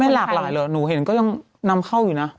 หลากหลายเหรอหนูเห็นก็ยังนำเข้าอยู่นะ